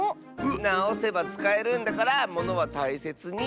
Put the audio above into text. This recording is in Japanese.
なおせばつかえるんだからものはたいせつに。